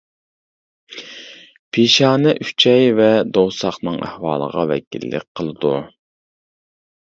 پېشانە ئۈچەي ۋە دوۋساقنىڭ ئەھۋالىغا ۋەكىللىك قىلىدۇ.